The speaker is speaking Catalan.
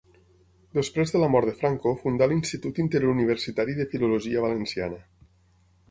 Després de la mort de Franco fundà l'Institut Interuniversitari de Filologia Valenciana.